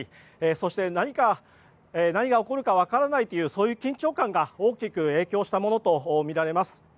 そして、何が起こるかわからないという緊張感が大きく影響したものとみられます。